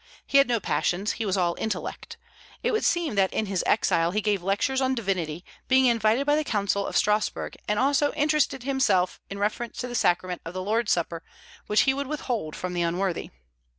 He had no passions; he was all intellect. It would seem that in his exile he gave lectures on divinity, being invited by the Council of Strasburg; and also interested himself in reference to the Sacrament of the Lord's Supper, which he would withhold from the unworthy.